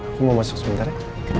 aku mau masuk sebentar ya